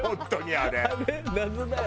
あれ謎だよ。